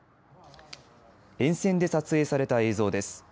沿線で撮影された映像です。